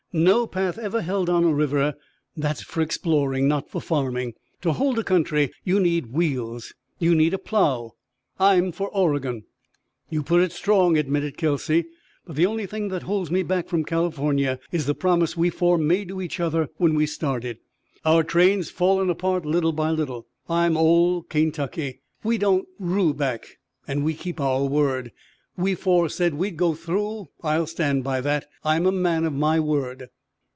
No path ever held on a river that's for exploring, not for farming. To hold a country you need wheels, you need a plow. I'm for Oregon!" "You put it strong," admitted Kelsey. "But the only thing that holds me back from California is the promise we four made to each other when we started. Our train's fallen apart little by little. I'm ole Kaintucky. We don't rue back, and we keep our word. We four said we'd go through. I'll stand by that, I'm a man of my word."